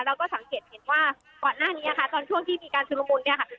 เราก็สังเกตเห็นว่าก่อนหน้านี้ค่ะตอนช่วงที่มีการชุดละมุนเนี่ยค่ะ